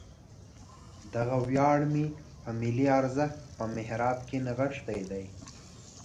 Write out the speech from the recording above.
دغه ویاړ مې په ملي ارزښت په محراب کې نغښتی دی.